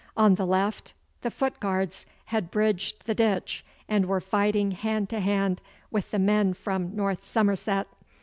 On the left the foot guards had bridged the ditch and were fighting hand to hand with the men from North Somerset.